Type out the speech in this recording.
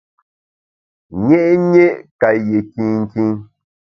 Nyé’nyé’ ka yé kinkin.